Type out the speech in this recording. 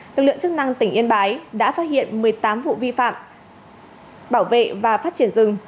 lực lượng chức năng tỉnh yên bái đã phát hiện một mươi tám vụ vi phạm bảo vệ và phát triển rừng